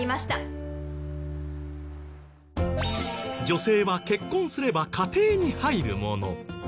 女性は結婚すれば家庭に入るもの。